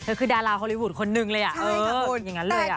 คือดาราฮอลลีวูดคนนึงเลยพูดอย่างนั้นเลย